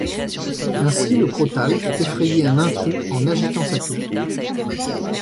Ainsi, le crotale peut effrayer un intrus en agitant sa queue.